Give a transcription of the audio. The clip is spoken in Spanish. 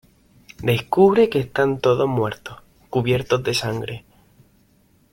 Descubre que están todos muertos, cubiertos de sangre.